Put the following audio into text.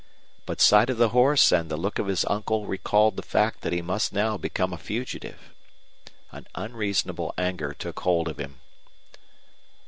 But sight of the horse and the look of his uncle recalled the fact that he must now become a fugitive. An unreasonable anger took hold of him.